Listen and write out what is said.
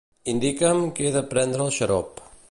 Indica'm que he de prendre el xarop.